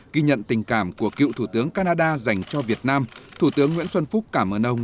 ghi nhận tình cảm của cựu thủ tướng canada dành cho việt nam thủ tướng nguyễn xuân phúc cảm ơn ông